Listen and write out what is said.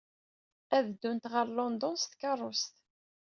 Ad ddunt ɣer London s tkeṛṛust.